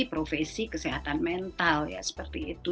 profesi kesehatan mental ya seperti itu